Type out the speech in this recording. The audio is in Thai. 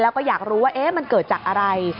แล้วก็อยากรู้ว่ามันเกิดจากอะไร